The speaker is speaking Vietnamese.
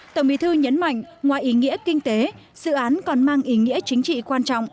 tổng bí thư nhấn mạnh ngoài ý nghĩa kinh tế dự án còn mang ý nghĩa chính trị quan trọng